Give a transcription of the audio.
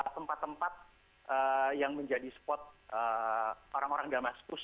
tempat tempat yang menjadi spot orang orang damaskus